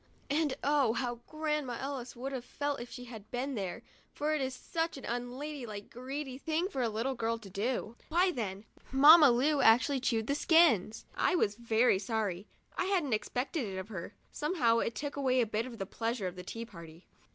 And oh, how Grandma Ellis would have felt if she had been there, for it is such an unladylike greedy thing for a little girl to do ! Why then, Mamma Lu actually chewed the skins! I was very sorry; I hadn't expected it of her. Somehow it took away a bit of the pleasure of the tea party.